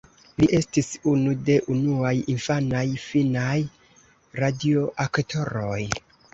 Li estis unu de unuaj infanaj finnaj radioaktoroj.